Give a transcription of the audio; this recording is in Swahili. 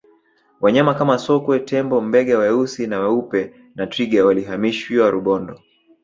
wanyama Kama sokwe tembo mbega weusi na weupe na twiga walihamishiwa rubondo